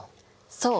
そう。